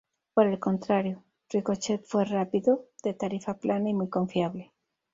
Por el contrario, Ricochet fue rápido, de tarifa plana y muy confiable.